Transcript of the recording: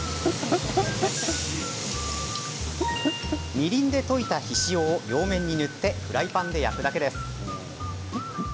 みりんで溶いた、ひしおを両面に塗ってフライパンで焼くだけです。